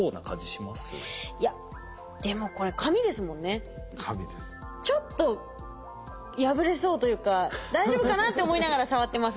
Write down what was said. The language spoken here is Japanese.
いやでもこれちょっと破れそうというか「大丈夫かな？」って思いながら触ってます